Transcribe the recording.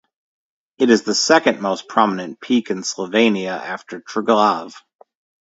It is the second most prominent peak in Slovenia after Triglav.